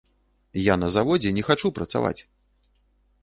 Я на заводзе не хачу працаваць.